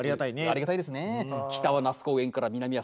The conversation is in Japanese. ありがたいですね。